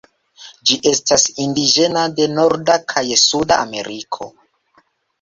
Ĝi estas indiĝena de Norda kaj Suda Ameriko.